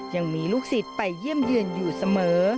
ยังมีลูกศิษย์ไปเยี่ยมเยือนอยู่เสมอ